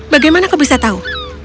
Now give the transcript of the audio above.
bagaimana kau bisa tahu